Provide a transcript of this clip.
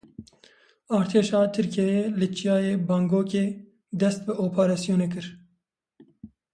Artêşa Tirkiyeyê li Çiyayê Bagokê dest bi operasyonê kir.